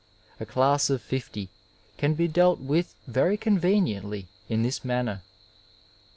A class of fifty can be dealt with very conveniently in this manner.